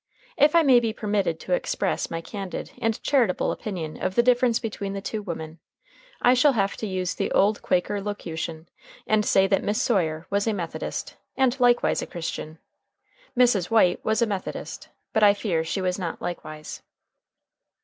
If I may be permitted to express my candid and charitable opinion of the difference between the two women, I shall have to use the old Quaker locution, and say that Miss Sawyer was a Methodist and likewise a Christian; Mrs. White was a Methodist, but I fear she was not likewise.